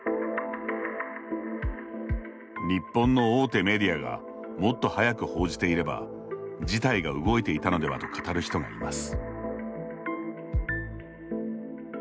日本の大手メディアがもっと早く報じていれば事態が動いていたのではと語る人がいます。